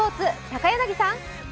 高柳さん。